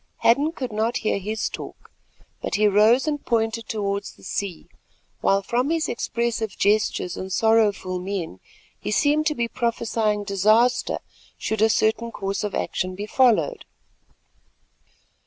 Hadden could not hear his talk, but he rose and pointed towards the sea, while from his expressive gestures and sorrowful mien, he seemed to be prophesying disaster should a certain course of action be followed.